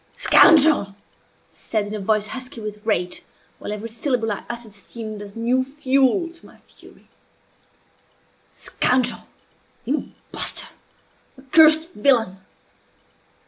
"Scoundrel!" I said, in a voice husky with rage, while every syllable I uttered seemed as new fuel to my fury; "scoundrel! impostor! accursed villain!